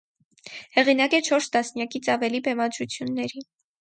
Հեղինակ է չորս տասնյակից ավելի բեմադրությունների։